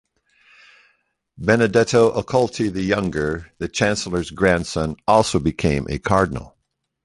Benedetto Accolti the Younger, the chancellor's grandson, also became a cardinal.